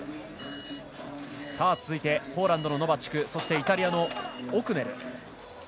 続いて、ポーランドのノバチクそして、イタリアのオクネル。